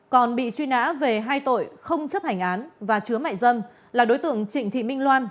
còn bị truy nã về hai tội không chấp hành án và chứa mại dâm là đối tượng trịnh thị minh loan